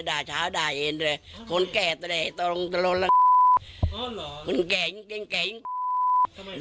นะบอกว่าลูกสุด